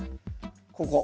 ここ。